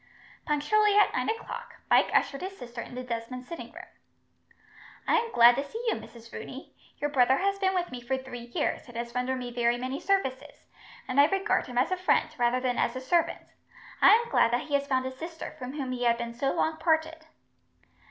Punctually at nine o'clock, Mike ushered his sister into Desmond's sitting room. "I am glad to see you, Mrs. Rooney. Your brother has been with me for three years, and has rendered me very many services, and I regard him as a friend, rather than as a servant. I am glad that he has found his sister, from whom he had been so long parted."